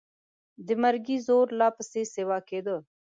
د مرګي زور لا پسې سیوا کېده.